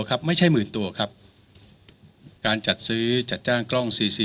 ครับไม่ใช่หมื่นตัวครับการจัดซื้อจัดจ้างกล้องสี่สี่